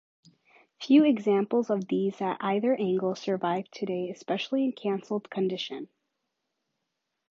Few examples of these, at either angle, survive today, especially in cancelled condition.